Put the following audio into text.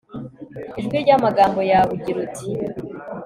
ijwi ry'amagambo yawe, ugira uti